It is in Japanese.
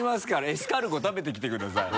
エスカルゴ食べてきてください。